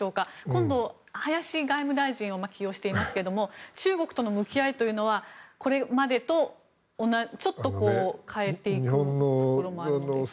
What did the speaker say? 今度、林外務大臣を起用していますが中国との向き合いというのはこれまでとちょっと変えていくところもあるのでしょうか。